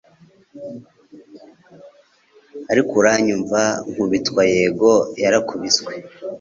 Ariko uranyumva nkubitwa yego yarakubiswe